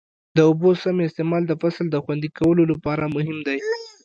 د اوبو سم استعمال د فصل د خوندي کولو لپاره مهم دی.